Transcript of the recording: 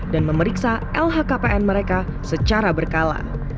dan memeriksa lhkpn mereka secara berkala